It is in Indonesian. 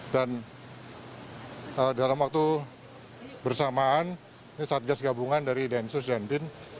dan dalam waktu bersamaan ini satgas gabungan dari densus jendin